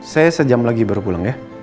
saya sejam lagi baru pulang ya